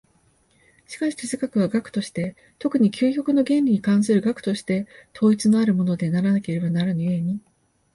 しかし哲学は学として、特に究極の原理に関する学として、統一のあるものでなければならぬ故に、